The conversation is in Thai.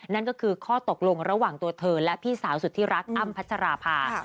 นั่นก็คือข้อตกลงระหว่างตัวเธอและพี่สาวสุดที่รักอ้ำพัชราภา